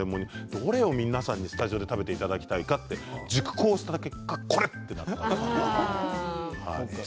どれを皆さんにスタジオで食べていただきたいか熟考した結果かぼちゃになりました。